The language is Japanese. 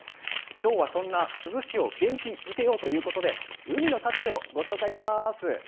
今日はそんな珠洲市を元気づけようということで海の幸をご紹介します。